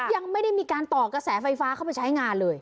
ยังไม่ได้มีการต่อกระแสไฟฟ้าเข้าไปใช้งานเลย